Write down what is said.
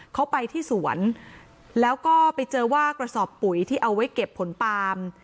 เขาไปที่สวนแล้วก็ไปเจอว่ากระสอบปุ๋ยที่เอาไว้เก็บผลปาล์ม